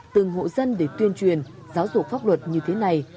từng hộ dân để tuyên truyền giáo dục pháp luật như thế này